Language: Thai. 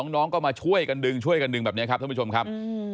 น้องก็มาช่วยกันดึงช่วยกันดึงแบบนี้ครับท่านผู้ชมครับ